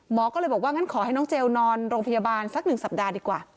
ก็เลยบอกว่างั้นขอให้น้องเจลนอนโรงพยาบาลสัก๑สัปดาห์ดีกว่า